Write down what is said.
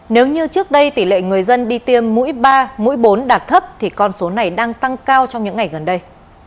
nếu như trước đây tỷ lệ người dân đi tiêm mũi ba mũi bốn đạt thấp thì con số này đang tăng cao trong những ngày gần đây